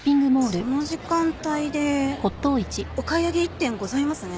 その時間帯でお買い上げ一点ございますね。